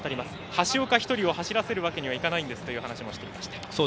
橋岡１人を走らせるわけにはいかないんですと話していました。